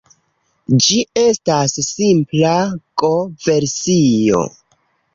Ĝi estas simpla Go-versio.